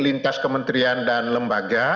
lintas kementerian dan lembaga